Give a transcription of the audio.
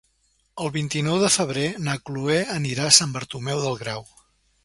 El vint-i-nou de febrer na Chloé anirà a Sant Bartomeu del Grau.